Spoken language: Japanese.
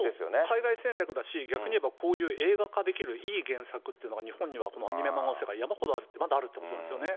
海外戦略だし、逆に言えばこういう映画化できる、いい原作っていうのが、日本にはアニメの世界には山ほどまだあると思いますよね。